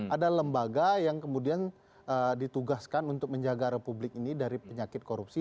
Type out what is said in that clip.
ada lembaga yang kemudian ditugaskan untuk menjaga republik ini dari penyakit korupsi